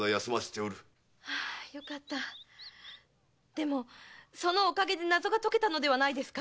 でもそのおかげで謎が解けたのではないですか？